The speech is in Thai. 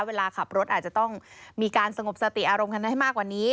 เวลาขับรถอาจจะต้องมีการสงบสติอารมณ์กันให้มากกว่านี้